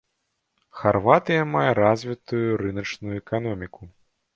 Харватыя мае развітую рыначную эканоміку.